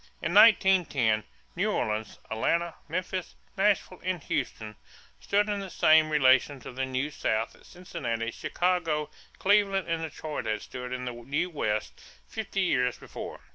In 1910, New Orleans, Atlanta, Memphis, Nashville, and Houston stood in the same relation to the New South that Cincinnati, Chicago, Cleveland, and Detroit had stood to the New West fifty years before.